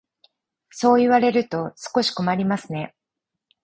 そう言われると少し困りますね。